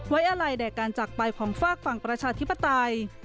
อะไรแด่การจักรไปของฝากฝั่งประชาธิปไตย